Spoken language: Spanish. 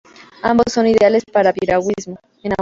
Ambos son ideales para piragüismo en aguas rápidas.